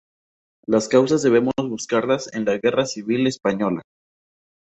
Las causas debemos buscarlas en la Guerra Civil Española.